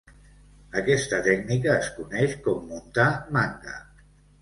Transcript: Aquesta tècnica es coneix com muntar Manga.